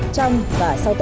trong và sau đó